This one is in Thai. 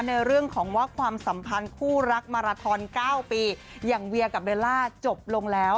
ในเรื่องของว่าความสัมพันธ์คู่รักมาราทอน๙ปีอย่างเวียกับเบลล่าจบลงแล้ว